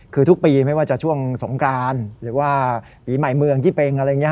คือทุกปีไม่ว่าจะช่วงสงกรานหรือว่าปีใหม่เมืองยี่เป็งอะไรอย่างนี้